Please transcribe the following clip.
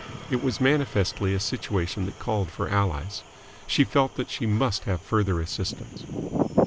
It was manifestly a situation that called for allies. She felt that she must have further assistance.